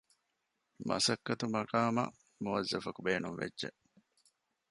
މަސައްކަތު މަޤާމަށް މުވައްޒަފަކު ބޭނުންވެއްޖެ